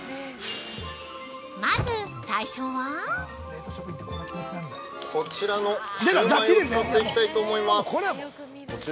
まずは最初は◆こちらのシューマイを使っていきたいと思います。